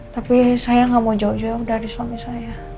tapi saya gak mau jauh jauh dari suami saya